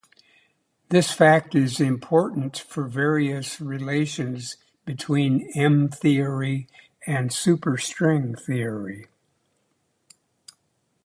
This fact is important for various relations between M-theory and superstring theory.